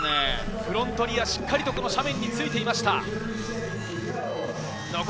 フロントリアがしっかり斜面についていました。